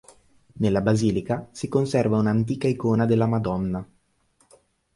Nella basilica si conserva una antica icona della Madonna.